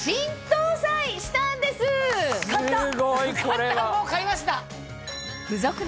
買ったもう買いました。